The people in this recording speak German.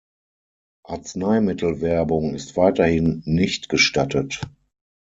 Arzneimittelwerbung ist weiterhin nicht gestattet.